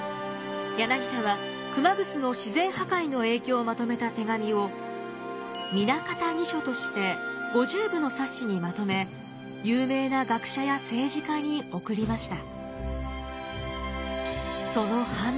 柳田は熊楠の自然破壊の影響をまとめた手紙を「南方二書」として５０部の冊子にまとめ有名な学者や政治家に送りました。